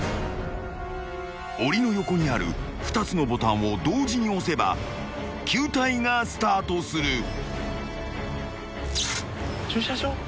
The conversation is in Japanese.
［おりの横にある２つのボタンを同時に押せば球体がスタートする］